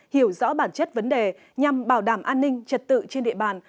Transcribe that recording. hiểu rõ bản chất vấn đề nhằm bảo đảm an ninh trật tự trên địa bàn